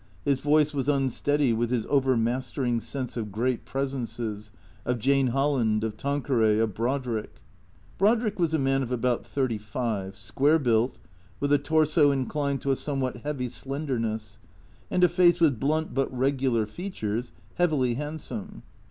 His voice was unsteady with his overmastering sense of great presences, of Jane Holland, of Tanqueray, of Brodrick. Brodrick was a man of about thirty five, square built, with a torso inclined to a somewhat heavy slenderness, and a face with blunt but regular features, heavily handsome.